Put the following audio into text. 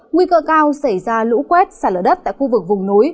nguy cơ cao xảy ra lũ quét xả lở đất tại khu vực vùng núi